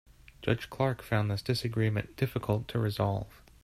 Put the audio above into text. Judge Clark found this disagreement difficult to resolve.